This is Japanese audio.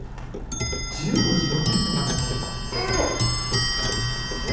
１５分４０分までない。